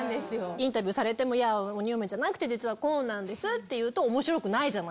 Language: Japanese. インタビューされても「いや鬼嫁じゃなくて実はこうなんです」って言うと面白くないじゃないですか。